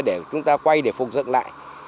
để chúng ta quay để phục dựng lại